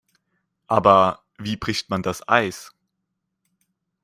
Aber wie bricht man das Eis?